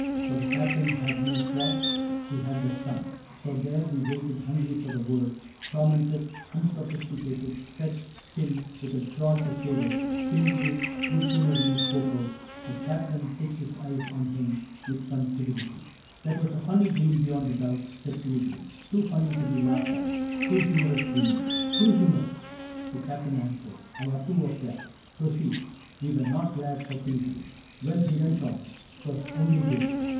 For the Captain had no frogs : he had the sun. So there we waited, hungry for the word, — Tormented, unsophisticated, stretched — Till, with a drawl, to save us, Killigrew Good humoredly spoke out. The Captain fixed His eyes on him with some severity. » 9» '' That was a funny dream, beyond a doubt. Said Killigrew ;—" too funny to be laughed at ; Too humorous, we mean," —" Too humorous ? The Captain answered ;" I approve of that. Proceed." — We were not glad for Killigrew. Well," he went on, '' 't was only this.